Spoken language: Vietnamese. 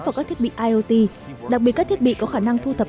đặc biệt các thiết bị có khả năng thu thập